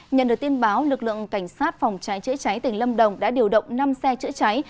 nhận được tin báo lực lượng cảnh sát phòng cháy chữa cháy tỉnh lâm đồng đã điều động năm xe chữa cháy